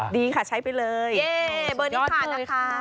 ดีค่ะใช้ไปเลยเบอร์นี้ค่ะนะคะ